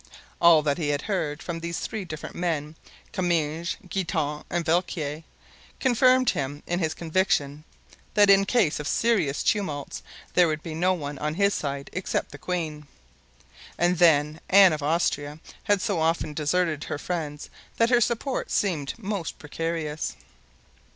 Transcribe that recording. All that he had heard from these three different men, Comminges, Guitant and Villequier, confirmed him in his conviction that in case of serious tumults there would be no one on his side except the queen; and then Anne of Austria had so often deserted her friends that her support seemed most precarious.